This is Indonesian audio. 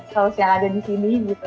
saus yang ada di sini gitu